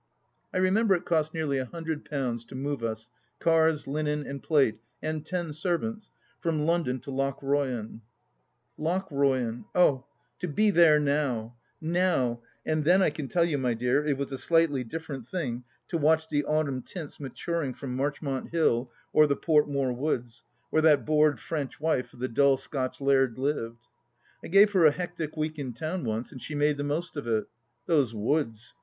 I remember it cost nearly a hundred pounds to move us — cars, linen, and plate, and ten servants — from London to Lochroyan I Lochroyan ! Oh, to be there now ! Now — and then I I can tell, you, my dear, it was a slightly different thing to watch the autimin tints maturiag from Marchmont Hill or the Portmore Woods where that bored French wife of the dull Scotch laird lived. I gave her a hectic week in town once, and she made the most of it. Those woods